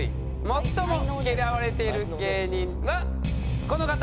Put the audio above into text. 最も嫌われている芸人はこの方。